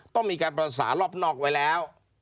ต้องมีการประสานรอบนอกไว้แล้ว